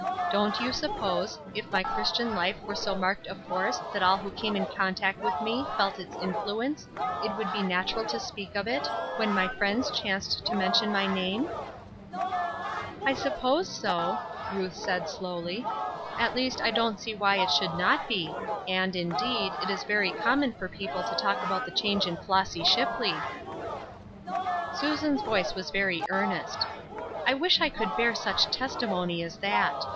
Don't you suppose, if my Christian life were so marked a force that all who came in contact with me, felt its influence, it would be natural to speak of it, when my friends chanced to mention my name ?"" I suppose so," Ruth said, slowly. " At least I don't see why it should not be ; and, indeed, it is very common for people to talk about the change in Flossy Sliipley." Susan's voice was very earnest. " I wish I could bear such testimony as that.